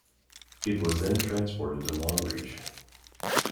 It was then transported to Longreach.